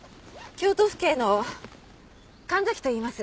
京都府警の神崎といいます。